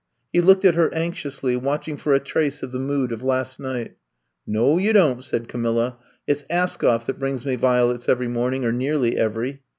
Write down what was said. He looked at her anxiously, watching for a trace of the mood of last night. No, you don*t, said Camilla. "It *s Askoff that brings me violets every morn ing, or nearly every.